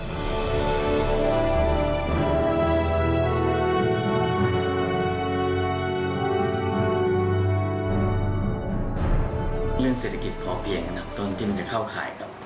เรื่องเศรษฐกิจพอเพียงตอนนี้มันจะเข้าข่าย